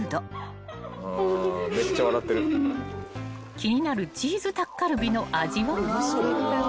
［気になるチーズタッカルビの味は？］